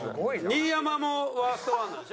新山もワースト１なんでしょ？